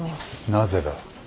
なぜだ。